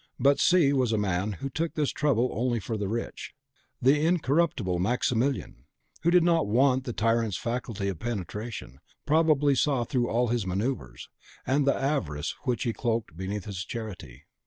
But C was a man who took this trouble only for the rich. "The incorruptible Maximilien," who did not want the tyrant's faculty of penetration, probably saw through all his manoeuvres, and the avarice which he cloaked beneath his charity.